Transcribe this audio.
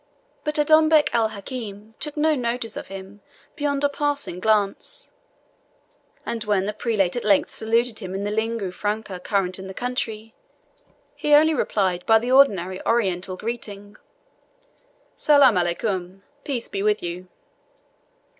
But Adonbec el Hakim took no notice of him beyond a passing glance, and when the prelate at length saluted him in the lingua franca current in the country, he only replied by the ordinary Oriental greeting, "SALAM ALICUM Peace be with you."